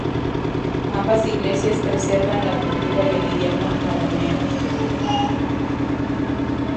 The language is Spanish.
Ambas Iglesias preservan la cultura y el idioma arameo.